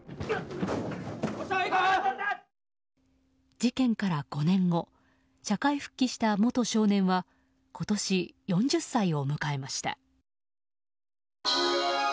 事件から５年後社会復帰した元少年は今年、４０歳を迎えました。